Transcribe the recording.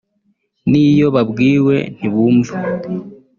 n’iyo babwiwe ntibumvaÂ